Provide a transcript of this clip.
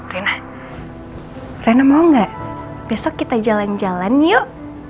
reina reina mau gak besok kita jalan jalan yuk